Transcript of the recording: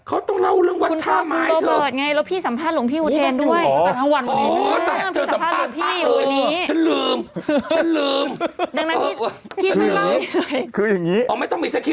เขาต้องเล่าเรื่องวัดธาหมาย